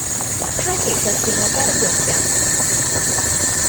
她其實是我家的佣人